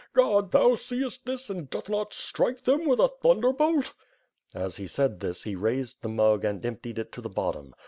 Ood, thou seest this and dos not strike them with a thunderbolt." As he said this, he raised the mug and emptied it to the bottom.